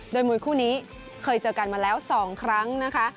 โดยมวยคู่นี้เคยเจอกันมาแล้ว๒ครั้งนะคะ